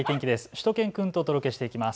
しゅと犬くんとお届けしていきます。